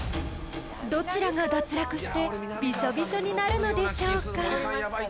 ［どちらが脱落してびしょびしょになるのでしょうか］